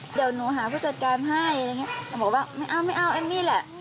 เดี๋ยวหนูหาผู้จัดการให้บอกว่าไม่เอาเอมมี่แหละ